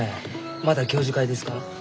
また教授会ですか？